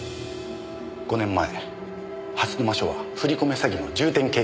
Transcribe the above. ５年前蓮沼署は振り込め詐欺の重点警戒区域でした。